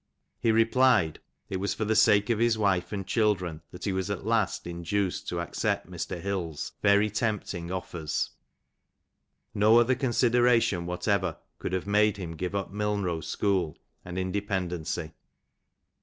He replied, that it was for the sake of his wife and children, that he was at last induced to accept Mr. Hill's very tempting offers : no other consideration whatever could have made him give up Milnrow school, and independency.